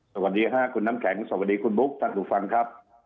สวัสดีค่ะคุณน้ำแข็งสวัสดีคุณบุ๊คท่านผู้ฟังครับ